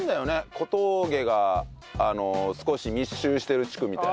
「小峠」が少し密集してる地区みたいな。